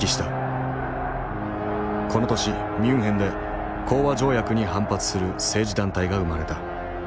この年ミュンヘンで講和条約に反発する政治団体が生まれた。